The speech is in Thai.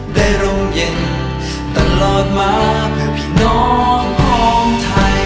ร่มเย็นตลอดมาเพื่อพี่น้องของไทย